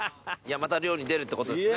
また漁に出るってことですね。